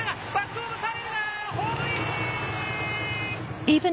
ホームイン。